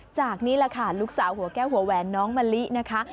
นี่แหละค่ะลูกสาวหัวแก้วหัวแหวนน้องมะลินะคะ